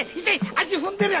足踏んでる。